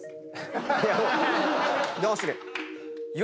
どうする？